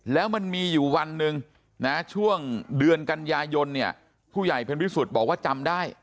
แล้วมันมีอยู่วันหนึ่งนะช่วงเดือนกันยายนเนี่ยผู้ใหญ่เป็นพิสุทธิ์บอกว่าจำได้